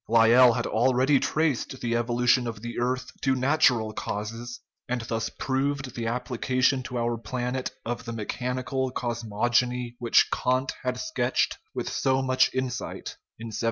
Lyell had already traced the evolution of the earth to natural causes, and thus proved the ap plication to our planet of the mechanical cosmogony which Kant had sketched with so much insight in 1755.